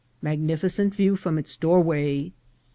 — Magnificent View from its Doorway.